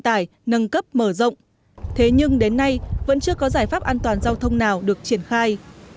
tải nâng cấp mở rộng thế nhưng đến nay vẫn chưa có giải pháp an toàn giao thông nào được triển khai